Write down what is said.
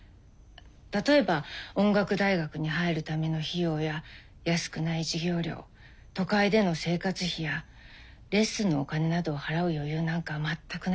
例えば音楽大学に入るための費用や安くない授業料都会での生活費やレッスンのお金などを払う余裕なんか全くないんです。